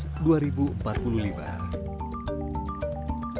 keberadaan pabrik ini diharapkan untuk mencapai kepentingan